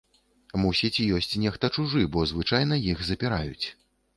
Мусіць, ёсць нехта чужы, бо звычайна іх запіраюць.